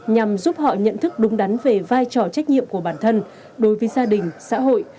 nhằm giúp họ nhận thức đúng đắn về vai trò trách nhiệm của bản thân đối với gia đình xã hội